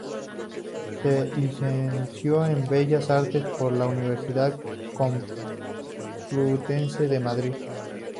Se licenció en Bellas Artes por la Universidad Complutense de Madrid.